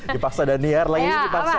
dipaksa daniela ini dipaksa